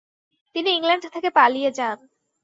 তিনি ইংল্যান্ড থেকে পালিয়ে যান।